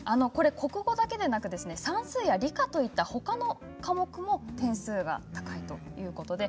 国語だけではなく算数や理科といったほかの科目も点数が高いということなんです。